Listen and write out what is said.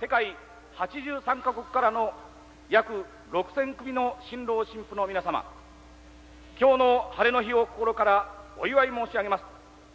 世界８３か国からの約６０００組の新郎新婦の皆様、きょうの晴れの日を心からお祝い申し上げます。